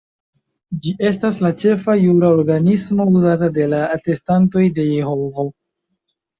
Ĝi estas la ĉefa jura organismo uzata de la Atestantoj de Jehovo.